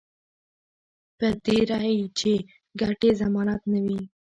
په تېره چې ګټې ضمانت نه وي